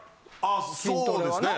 あそうですね。